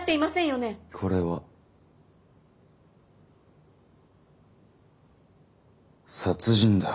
これは殺人だ。